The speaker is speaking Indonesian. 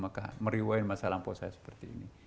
maka meriwain masa lampau saya seperti ini